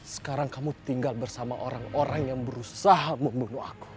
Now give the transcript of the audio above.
sekarang kamu tinggal bersama orang orang yang berusaha membunuh aku